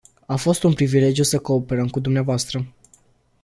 A fost un privilegiu să cooperăm cu dvs.